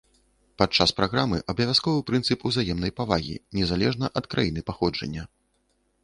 Падчас праграмы абавязковы прынцып узаемнай павагі, незалежна ад краіны паходжання.